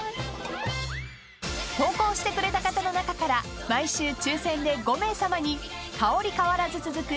［投稿してくれた方の中から毎週抽選で５名さまに香り変わらず続く